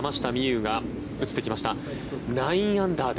有が映ってきました。